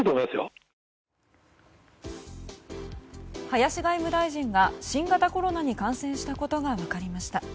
林外務大臣が新型コロナに感染したことが分かりました。